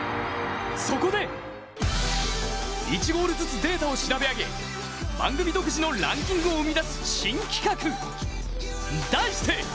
そこで、１ゴールずつデータを調べ上げ、番組独自のランキングを生み出す新企画！